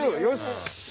よし！